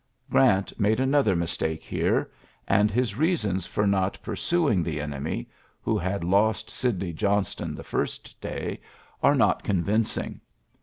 Grant made another mistake here ; and his reasons for not pursuing the enemy (who had lost Sidney Johnston ULYSSES S. GEAlifT 67 the first day) are not convincing.